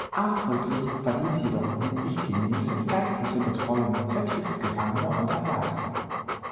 Ausdrücklich war dies jedoch in den Richtlinien für die geistliche Betreuung für Kriegsgefangene untersagt.